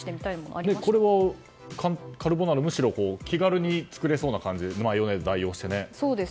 カルボナーラ、むしろ気軽に作れそうな感じでマヨネーズで代用して。